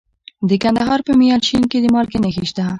د کندهار په میانشین کې د مالګې نښې شته.